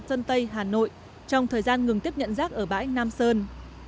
sơn tây hà nội trong thời gian ngừng tiếp nhận rác ở bãi nam sơn